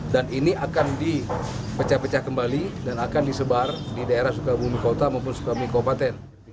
dan ini akan dipecah pecah kembali dan akan disebar di daerah sukabumi kota maupun sukabumi kabupaten